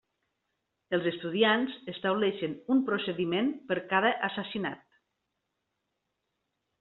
Els estudiants estableixen un procediment per cada assassinat.